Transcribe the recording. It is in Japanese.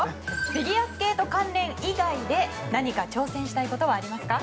フィギュアスケート関連以外で挑戦したいことはありますか。